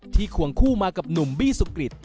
ควงคู่มากับหนุ่มบี้สุกริต